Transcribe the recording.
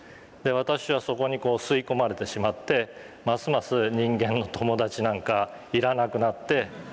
私はそこに吸い込まれてしまってますます人間の友達なんかいらなくなって。